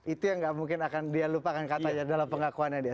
itu yang gak mungkin akan dia lupakan katanya dalam pengakuannya dia